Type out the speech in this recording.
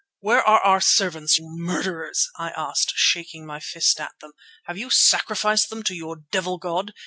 "Where are our servants, you murderers?" I asked, shaking my fist at them. "Have you sacrificed them to your devil god?